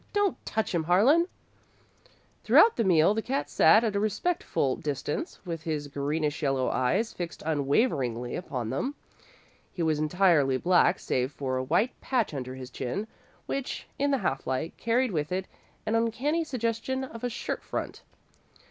"Don't touch him, Harlan." Throughout the meal the cat sat at a respectful distance, with his greenish yellow eyes fixed unwaveringly upon them. He was entirely black, save for a white patch under his chin, which, in the half light, carried with it an uncanny suggestion of a shirt front.